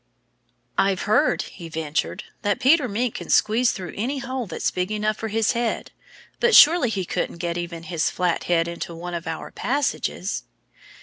"I've heard," he ventured, "that Peter Mink can squeeze through any hole that's big enough for his head. But surely he couldn't get even his flat head into one of our passages."